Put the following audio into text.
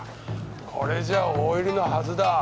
これじゃあ大入りのはずだ。